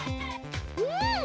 うん！